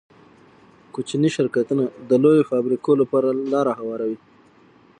کوچني شرکتونه د لویو فابریکو لپاره لاره هواروي.